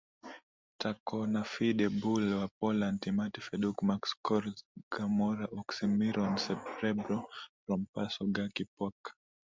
Taconafide BooL wa Poland Timati Feduk Max Korzh Gamora Oxxxymiron Serebro Rompasso Gorky Park